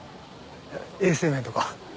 衛生面とか。